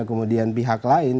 kemudian pihak lain